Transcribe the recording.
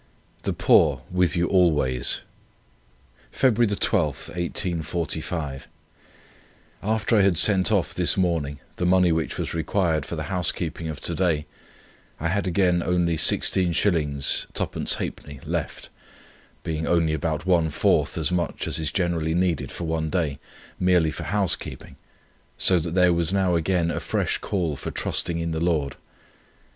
"THE POOR WITH YOU ALWAYS." "Feb. 12, 1845. After I had sent off this morning the money which was required for the housekeeping of to day, I had again only 16s. 2½d. left, being only about one fourth as much as is generally needed for one day, merely for housekeeping, so that there was now again a fresh call for trusting in the Lord.